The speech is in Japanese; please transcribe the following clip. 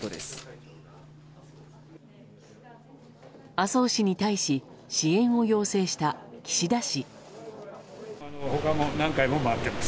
麻生氏に対し支援を要請した岸田氏。